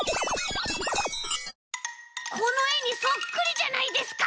このえにそっくりじゃないですか！